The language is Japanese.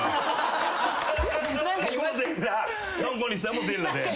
ドン小西さんも全裸で。